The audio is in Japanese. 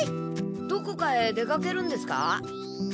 どこかへ出かけるんですか？